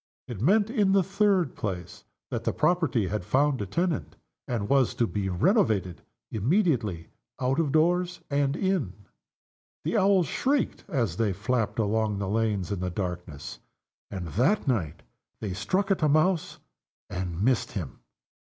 It meant, in the third place, that the property had found a tenant, and was to be renovated immediately out of doors and in. The Owls shrieked as they flapped along the lanes in the darkness, And that night they struck at a mouse and missed him.